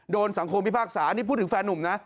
โดนสังคมพิพากษานี่พูดถึงแฟนหนุ่มนะ